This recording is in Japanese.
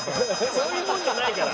そういうもんじゃないから。